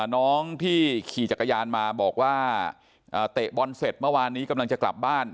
น้องที่ขี่จักรยานมาบอกว่าเตะบอลเสร็จเมื่อวานนี้กำลังจะกลับบ้าน